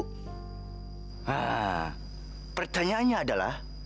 nah pertanyaannya adalah